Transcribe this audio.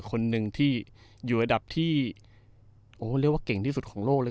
คนหนึ่งที่อยู่ระดับที่โอ้เรียกว่าเก่งที่สุดของโลกเลย